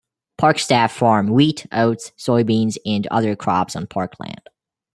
Park staff farm wheat, oats, soybeans and other crops on park land.